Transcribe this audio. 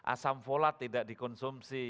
asam folat tidak dikonsumsi